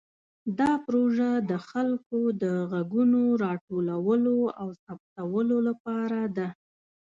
دا پروژه د خلکو د غږونو راټولولو او ثبتولو لپاره ده.